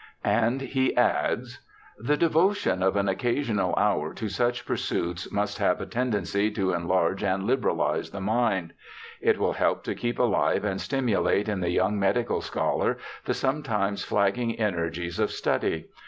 And he adds :' The devotion of an occasional hour to such pursuits must have a tendency to enlarge and liberalize the mind. It will help to keep alive and stimulate in the young medical scholar the sometimes flagging energies of study.